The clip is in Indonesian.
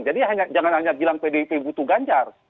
jadi jangan hanya bilang pdip butuh ganjar